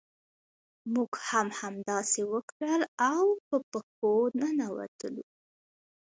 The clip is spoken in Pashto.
موږ هم همداسې وکړل او په پښو ننوتلو.